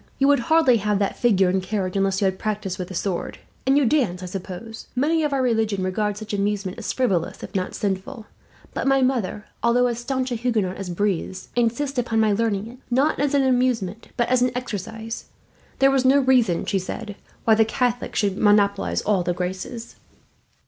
"You would hardly have that figure and carriage, unless you had practised with the sword. And you dance, I suppose. Many of our religion regard such amusement as frivolous, if not sinful; but my mother, although as staunch a Huguenot as breathes, insists upon my learning it, not as an amusement but as an exercise. There was no reason, she said, why the Catholics should monopolize all the graces."